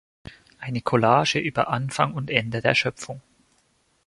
Eine Collage über Anfang und Ende der Schöpfung".